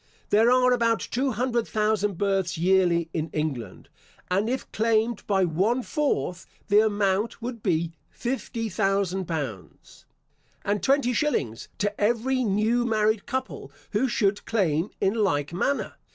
There are about two hundred thousand births yearly in England; and if claimed by one fourth, The amount would be L50,000 And twenty shillings to every new married couple who should claim in like manner.